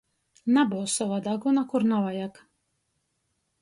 Nabuoz sova daguna, kur navajag!